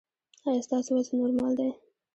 ایا ستاسو وزن نورمال دی؟